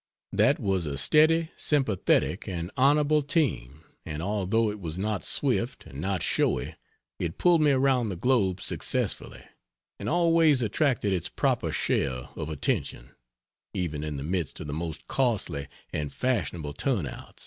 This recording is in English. That was a steady, sympathetic and honorable team, and although it was not swift, and not showy, it pulled me around the globe successfully, and always attracted its proper share of attention, even in the midst of the most costly and fashionable turnouts.